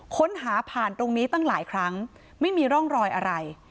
ค้นหาผ่านตรงนี้ตั้งหลายครั้งไม่มีร่องรอยอะไร